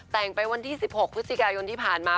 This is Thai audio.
แต่งไปวันที่๑๖พฤศจิกายนที่ผ่านมา